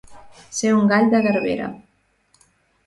Ser un gall de garbera.